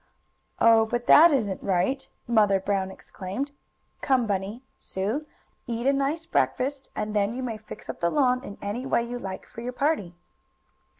"Oh, but that isn't right!" Mother Brown exclaimed. "Come, Bunny Sue, eat a nice breakfast, and then you may fix up the lawn in any way you like for your party."